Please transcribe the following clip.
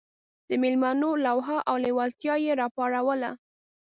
د مېلمنو لوهه او لېوالتیا یې راپاروله.